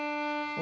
お。